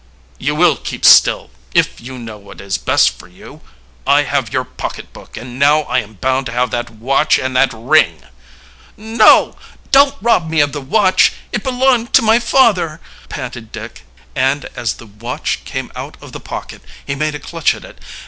"You will keep still if you know what is best for you. I have your pocketbook, and now I am bound to have that watch and that ring." "No! Don't rob me of the watch! It belonged to my father!" panted Dick, and as the watch came out of the pocket he made a clutch at it.